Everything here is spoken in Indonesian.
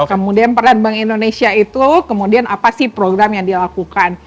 kemudian peran bank indonesia itu kemudian apa sih program yang dia lakukan